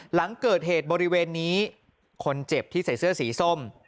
หลังเกิดเหตุบริเวณนี้คนเจ็บที่ใส่เสื้อสีส้ม